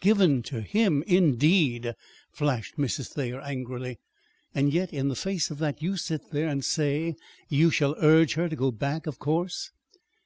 "Given to him, indeed!" flashed Mrs. Thayer angrily. "And yet, in the face of that, you sit there and say you shall urge her to go back, of course."